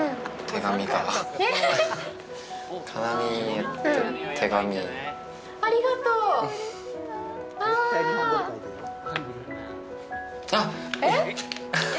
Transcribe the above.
手紙あああっえっ？